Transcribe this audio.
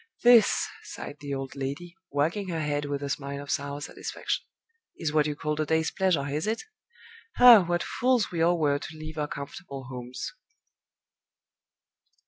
"This," sighed the old lady, wagging her head with a smile of sour satisfaction "is what you call a day's pleasure, is it? Ah, what fools we all were to leave our comfortable homes!"